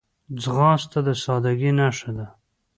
ځغاسته د سادګۍ نښه ده